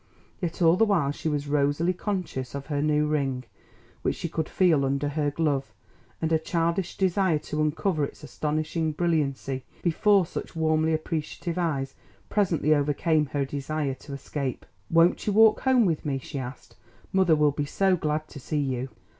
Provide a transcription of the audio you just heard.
Yet all the while she was rosily conscious of her new ring, which she could feel under her glove, and a childish desire to uncover its astonishing brilliancy before such warmly appreciative eyes presently overcame her desire to escape. "Won't you walk home with me?" she asked; "mother will be so glad to see you."